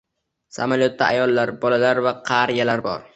Samolyotda ayollar, bolalar va qariyalar bor